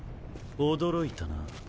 驚いたな。